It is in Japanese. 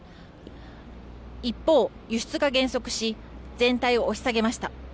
一方、輸出が減速し全体を押し下げました。